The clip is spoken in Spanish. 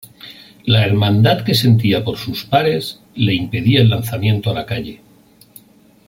La hermandad que sentía por sus pares, le impedía el lanzamiento a la calle.